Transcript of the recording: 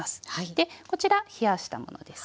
でこちら冷やしたものですね。